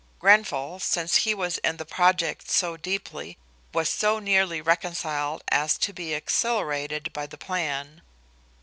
Grenfall, since he was in the project so deeply, was so nearly reconciled as to be exhilarated by the plan.